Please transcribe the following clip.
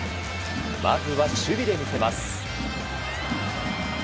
まずは守備で見せます。